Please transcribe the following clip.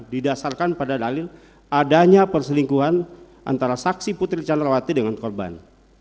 didasarkan pada dalil adanya perselingkuhan antara saksi putri candrawati dengan korban